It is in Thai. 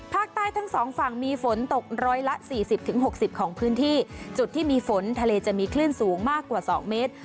ภาคใต้ทั้งสองฝั่งมีฝนตกร้อยละสี่สิบถึงหกสิบของพื้นที่จุดที่มีฝนทะเลจะมีคลื่นสูงมากกว่า๒เมตร